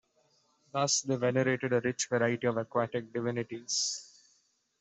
Thus, they venerated a rich variety of aquatic divinities.